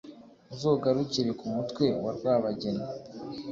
uzogarukire ku mutwe wa rwabageni,